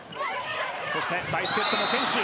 そして第１セットも先取。